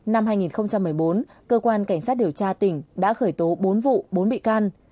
năm hai nghìn một mươi bốn cơ quan cảnh sát điều tra tỉnh đã khởi tố bốn vụ bốn bị can